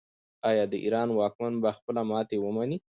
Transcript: آیا د ایران واکمن به خپله ماتې ومني؟